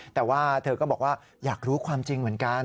แต่ว่าเธอก็บอกว่าอยากรู้ความจริงเหมือนกัน